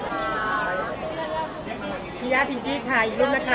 สวัสดีครับ